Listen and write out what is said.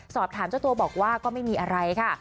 สอบถามเจ้าตัวบอกว่าก็ไม่มีอะไรค่ะ